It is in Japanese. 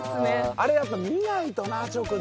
あれやっぱ見ないとな直で。